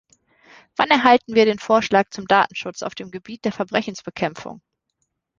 Wann erhalten wir den Vorschlag zum Datenschutz auf dem Gebiet der Verbrechensbekämpfung?